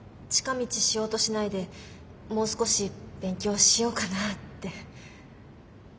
近道しようとしないでもう少し勉強しようかなって。